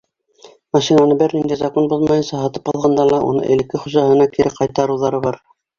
Машинаны бер ниндәй закон боҙмайынса һатып алғанда ла уны элекке хужаһына кире ҡайтарыуҙары бар.